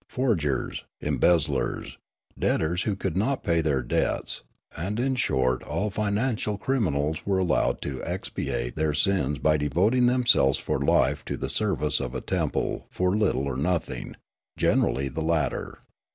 Forgers, embezzlers, debtors who could not pay their debts, and in short all financial criminals were allowed to expiate their sins by devoting themselves for life to the service of a temple for little or nothing, generally the latter.